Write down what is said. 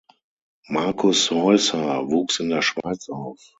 Markus Heusser wuchs in der Schweiz auf.